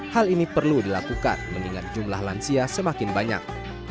hal ini perlu dilakukan mengingat jumlah lansia semakin banyak